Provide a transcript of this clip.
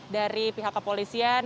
dari pihak kepolisian